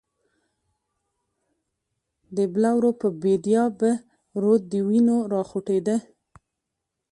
د بلورو په بید یا به، رود د وینو را خوټیږی